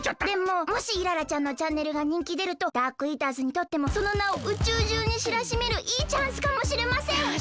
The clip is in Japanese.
でももしイララちゃんのチャンネルがにんきでるとダークイーターズにとってもそのなを宇宙じゅうにしらしめるいいチャンスかもしれません！